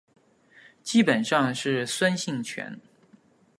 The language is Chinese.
基本上是酸性泉。